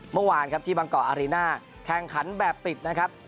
เมื่อวานครับที่บางกอกอารีน่าแข่งขันแบบปิดนะครับ